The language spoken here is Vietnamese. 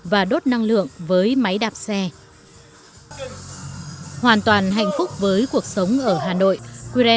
với rất nhiều hoạt động quốc trọng gần gicated